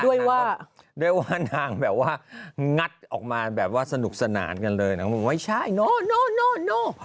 ด้วยว่าด้วยว่านางแบบว่างัดออกมาแบบว่าสนุกสนานกันเลยนางบอกไม่ใช่โน่